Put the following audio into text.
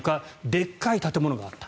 でっかい建物があった。